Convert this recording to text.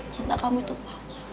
cinta kamu itu palsu